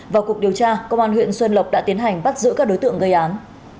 vào cuộc điều tra công an huyện xuân lộc đã tiến hành bắt giữ các đối tượng gây án